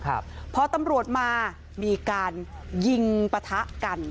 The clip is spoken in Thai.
ขอตำรวจมามีการยิ้งปะทะกัน